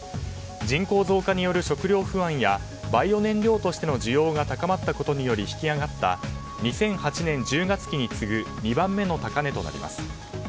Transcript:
人口増加による食糧不安やバイオ燃料としての需要が高まったことによって引き上がった２００８年１０月期に次ぐ２番目の高値となります。